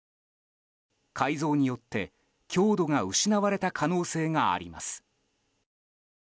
改造によって強度が失われた可能性があります。